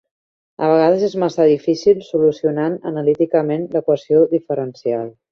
A vegades és massa difícil solucionant analíticament l'equació diferencial.